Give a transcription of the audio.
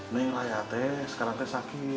neng raya teks karena teks sakit